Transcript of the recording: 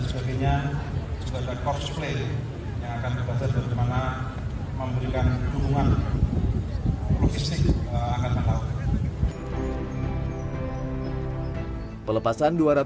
sudah ada course play yang akan dibaca dari mana memberikan hubungan logistik angkatan laut